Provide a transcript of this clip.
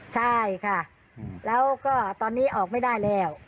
ใช่ค่ะแล้วก็ตอนนี้ออกไม่ได้แล้ว